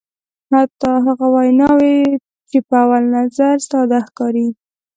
حتی هغه ویناوی چې په اول نظر ساده ښکاري.